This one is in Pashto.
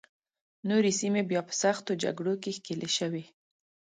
نورې سیمې بیا په سختو جګړو کې ښکېلې شوې وې.